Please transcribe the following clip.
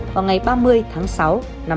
vào ngày ba mươi tháng sáu năm hai nghìn hai mươi